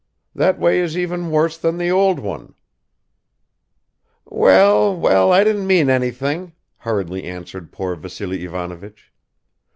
That way is even worse than the old one." "Well, well, I didn't mean anything!" hurriedly answered poor Vassily Ivanovich.